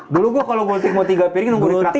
dulu gue kalo gultik mau tiga piring nunggu di traktir dulu